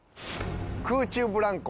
空中ブランコ。